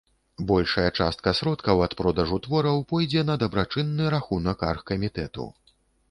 Большая частка сродкаў ад продажу твораў пойдзе на дабрачынны рахунак аргкамітэту.